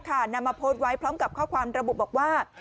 นำมาโพสต์ไว้พร้อมกับข้อความระบุบอกว่า